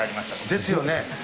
ですよね。